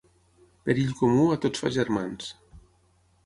Perill comú a tots fa germans.